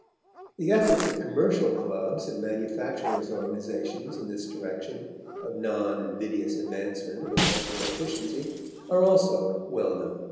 The efforts of commercial clubs and manufacturers' organizations in this direction of non invidious advancement of industrial efficiency are also well know.